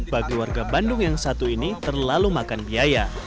bagi warga bandung yang satu ini terlalu makan biaya